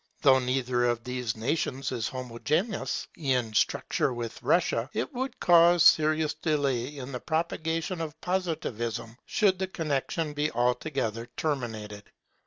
Though neither of these nations is homogeneous in structure with Russia, it would cause serious delay in the propagation of Positivism should the connexion be altogether terminated.